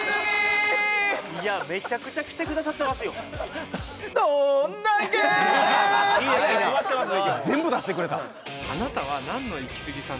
いやめちゃくちゃ来てくださってますよいいですね飛ばしてますね